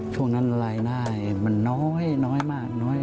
ช่วงนั้นลายได้มันน้อยมาก